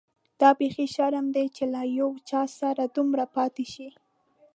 دا بيخي شرم دی چي له یو چا سره دومره پاتې شې.